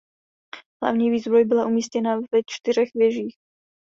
Hlavní výzbroj byla umístěna ve čtyřech věžích.